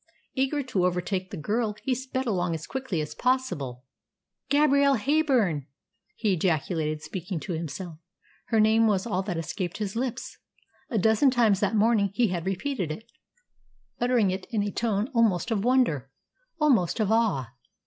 Eager to overtake the girl, he sped along as quickly as possible. "Gabrielle Heyburn!" he ejaculated, speaking to himself. Her name was all that escaped his lips. A dozen times that morning he had repeated it, uttering it in a tone almost of wonder almost of awe.